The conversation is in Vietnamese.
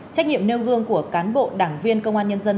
trách nhiệm nêu gương của cán bộ đảng viên công an nhân dân